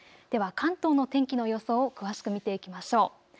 では関東の天気の予想を詳しく見ていきましょう。